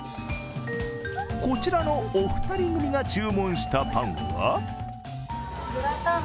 こちらのお二人組が注文したパンは？